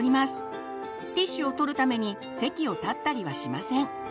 ティッシュを取るために席を立ったりはしません。